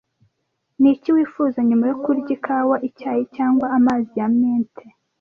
Niki wifuza nyuma yo kurya? Ikawa, icyayi, cyangwa amazi ya mint?